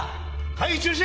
会議中止！